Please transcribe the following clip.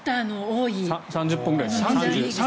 ３０本ぐらい。